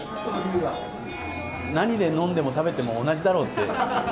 何で飲んでも食べても同じだろって。